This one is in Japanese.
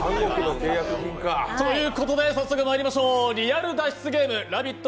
ということで早速まいりましょう、リアル脱出ゲームラヴィット！